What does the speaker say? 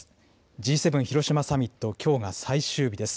Ｇ７広島サミット、きょうが最終日です。